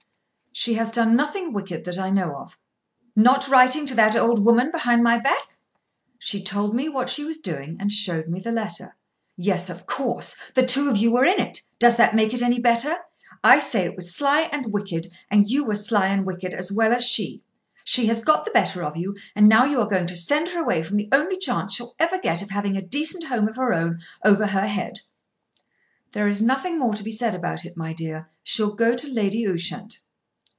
"She has done nothing wicked that I know of." "Not writing to that old woman behind my back?" "She told me what she was doing and showed me the letter." "Yes; of course. The two of you were in it. Does that make it any better? I say it was sly and wicked; and you were sly and wicked as well as she. She has got the better of you, and now you are going to send her away from the only chance she'll ever get of having a decent home of her own over her head." "There's nothing more to be said about it, my dear. She'll go to Lady Ushant."